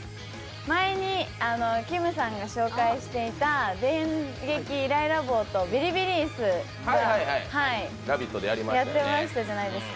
前にきむさんが紹介していた電撃イライラ棒とビリビリ椅子、やってたじゃないですか。